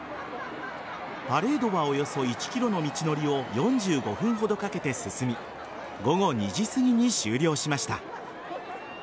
パレードはおよそ１ｋｍの道のりを４５分ほどかけて進み午後２時すぎに終了しました。